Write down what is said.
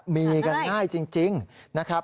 มีกันง่ายจริงนะครับ